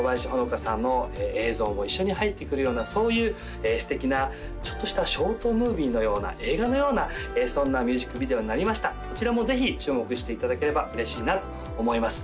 花さんの映像も一緒に入ってくるようなそういう素敵なちょっとしたショートムービーのような映画のようなそんなミュージックビデオになりましたそちらもぜひ注目していただければ嬉しいなと思います